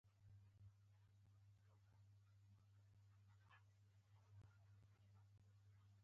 دې نړۍ کې زور غږیږي، خاوره زما دعوه پرې ابر قدرتونه کوي.